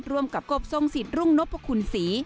ร่วมกับกบทรงสิทธิรุ่งนพคุณศรี